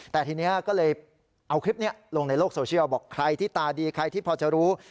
แต่ทีนี้ก็เลยเอาคลิปนี้ลงในโลกโซเชียลบอกใครที่ตาดีใครที่พอจะรู้